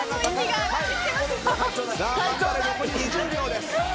頑張れ、残り２０秒です。